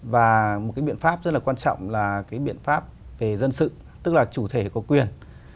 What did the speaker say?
và một cái biện pháp rất là quan trọng là cái biện pháp về dân sự tức là chủ thể có quyền